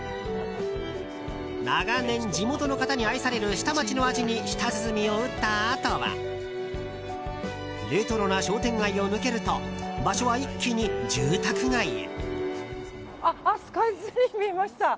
長年、地元の方に愛される下町の味に舌鼓を打ったあとはレトロな商店街を抜けると場所は一気に住宅街へ。